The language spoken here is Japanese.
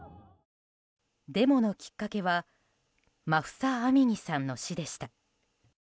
デモのきっかけはマフサ・アミニさんの死でした。